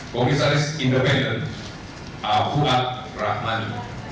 komisaris independen abu ad rahman